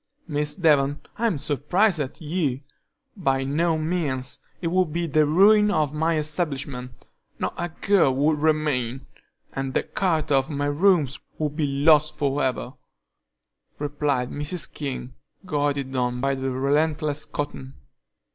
"Miss Devon, I'm surprised at you! By no means; it would be the ruin of my establishment; not a girl would remain, and the character of my rooms would be lost for ever," replied Mrs. King, goaded on by the relentless Cotton.